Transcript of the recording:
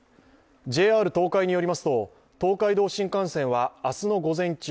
ＪＲ東海によりますと、東海道新幹線は明日の午前中